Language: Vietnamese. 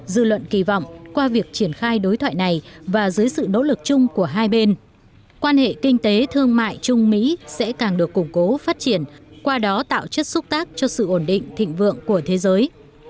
dư luận kỳ vọng qua việc triển khai đối thoại này và dưới sự nỗ lực chung của hai bên quan hệ kinh tế thương mại trung mỹ sẽ càng được củng cố phát triển qua đó tạo chất xúc tác cho sự ổn định thịnh vượng của thế giới